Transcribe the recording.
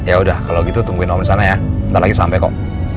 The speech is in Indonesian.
yaudah kalau gitu tungguin om disana ya nanti lagi sampe kok